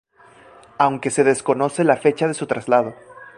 Aunque se desconoce la fecha de su traslado.